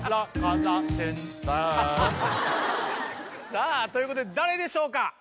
さあということで誰でしょうか？